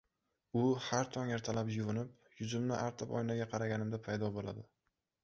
U har tong ertalab yuvinib, yuzimni artib oynaga qaraganimda paydo boʻladi.